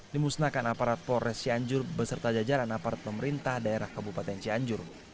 dimusnahkan aparat polres cianjur beserta jajaran aparat pemerintah daerah kabupaten cianjur